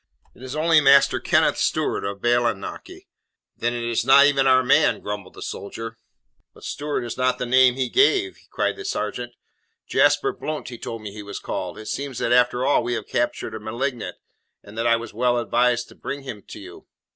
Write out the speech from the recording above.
It is only Master Kenneth Stewart, of Bailienochy." "Then it is not even our man," grumbled the soldier. "But Stewart is not the name he gave," cried the sergeant. "Jasper Blount he told me he was called. It seems that after all we have captured a malignant, and that I was well advised to bring him to you."